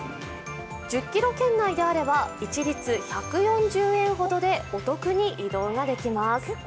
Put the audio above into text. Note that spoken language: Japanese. １０キロ圏内であれば一律１４０円ほどでお得に移動ができます。